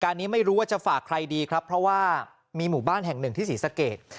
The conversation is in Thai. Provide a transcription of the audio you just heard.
นี้ไม่รู้ว่าจะฝากใครดีครับเพราะว่ามีหมู่บ้านแห่งหนึ่งที่ศรีสะเกด